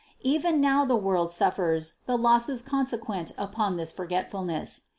304. Even now the world suffers the losses conse quent upon this forgetfulness.